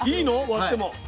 割っても。